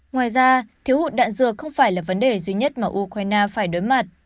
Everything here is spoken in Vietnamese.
ngoài ra thiếu hụt đạn dược không phải là vấn đề duy nhất mà ukraine phải đối mặt